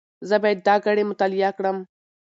زه باید دا ګړې مطالعه کړم.